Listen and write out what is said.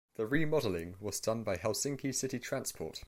The remodelling was done by Helsinki City Transport.